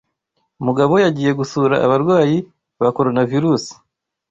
Mugabo yagiye gusura abarwayi ba Coronavirusi.